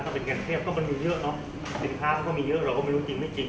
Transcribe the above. ถ้าเป็นการเทียบก็มันมีเยอะเนอะสินค้ามันก็มีเยอะเราก็ไม่รู้จริงไม่จริง